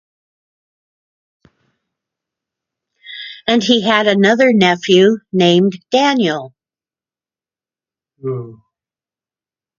And he had another nephew named Daniel.